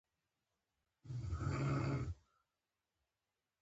رښتیا امانت او درواغ خیانت دئ.